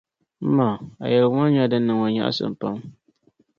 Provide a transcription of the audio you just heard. M ma, a yɛligu maa niŋ ma nyaɣisim pam.